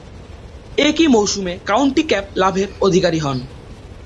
একই মৌসুমে county cap লাভের অধিকারী হন।